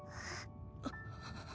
あっ。